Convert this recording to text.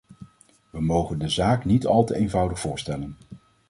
We mogen de zaak niet al te eenvoudig voorstellen.